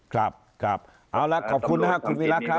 ครับครับเอาละขอบคุณนะครับคุณวิรักษ์ครับ